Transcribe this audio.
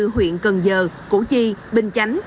huyện cần giờ củ chi bình chánh